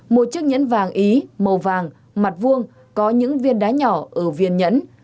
một chiếc nhẫn vàng ý màu vàng mặt vuông có những viên đá nhỏ ở viên nhẫn